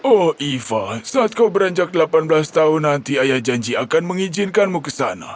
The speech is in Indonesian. oh iva saat kau beranjak delapan belas tahun nanti ayah janji akan mengizinkanmu ke sana